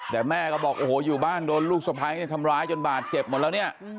แต่แม่ก็บอกอยู่บ้านโดนลูกสภัยทำร้ายจนบาดเจ็บหมดแล้ว